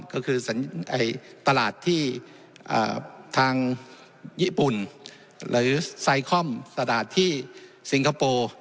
ก็คือตลาดที่ทางญี่ปุ่นหรือไซคอมตลาดที่สิงคโปร์